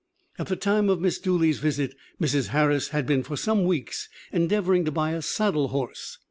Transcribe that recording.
" At the time of Miss Dooley's visit Mrs. Harris had been for some weeks endeavoring to buy a saddle horse.